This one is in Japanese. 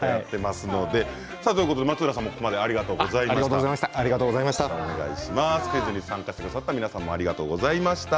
松浦さんもここまでありがとうございました。